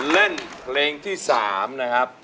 เล่นเพลงที่๓นะครับ